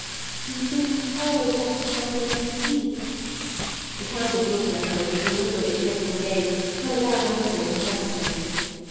"Do you think papa would object to my making the tea?" The Countess looked at her with a deliberately critical gaze and without answering her question.